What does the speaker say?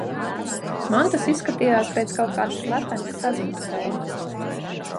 Man tas izskatījās pēc kaut kāda slepenas saziņas koda.